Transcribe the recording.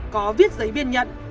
có viết giấy biên nhận